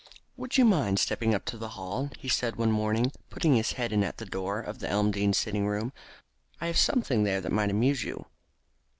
"Would you mind stepping up to the Hall?" he said one morning, putting his head in at the door of the Elmdene sitting room. "I have something there that might amuse you."